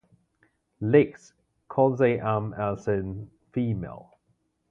Legs: Coxae armed as in female.